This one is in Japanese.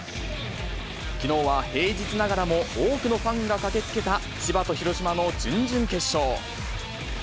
きのうは平日ながらも多くのファンが駆けつけた千葉と広島の準々決勝。